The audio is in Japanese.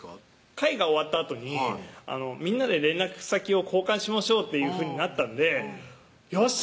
会が終わったあとにみんなで連絡先を交換しましょうっていうふうになったんでよっしゃ